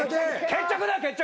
決着だ決着。